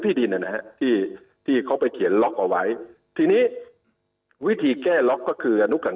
ติดดล็อคเยอะปลุงนะน่ะทำให้เพียงเราเป็นตู้จะดีครับ